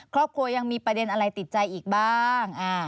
ครอบครัวยังมีประเด็นอะไรติดใจอีกบ้าง